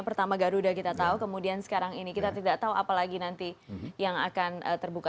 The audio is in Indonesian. pertama garuda kita tahu kemudian sekarang ini kita tidak tahu apa lagi nanti yang akan terbuka